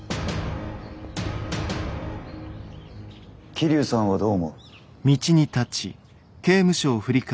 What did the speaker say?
桐生さんはどう思う？